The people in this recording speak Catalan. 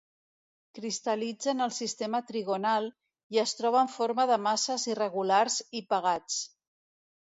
Cristal·litza en el sistema trigonal, i es troba en forma de masses irregulars i pegats.